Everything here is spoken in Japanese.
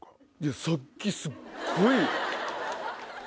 さっきすっごい。